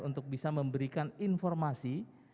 untuk bisa memberikan informasi